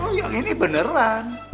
oh yang ini beneran